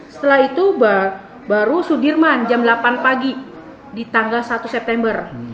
setelah itu baru sudirman jam delapan pagi di tanggal satu september